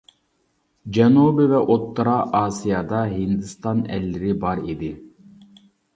جەنۇبىي ۋە ئوتتۇرا ئاسىيادا ھىندىستان ئەللىرى بار ئىدى.